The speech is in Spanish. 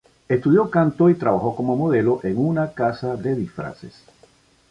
Estudió canto y trabajó como modelo en una casa de disfraces.